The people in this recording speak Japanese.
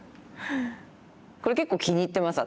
これ結構気に入ってます